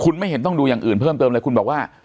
คุณไม่เห็นต้องดูอย่างอื่นเพิ่มเติมเลยคุณบอกว่า